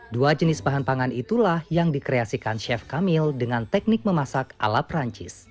dua jenis bahan pangan itulah yang dikreasikan chef kamil dengan teknik memasak ala perancis